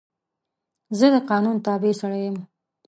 زه د قانون تابع سړی یم.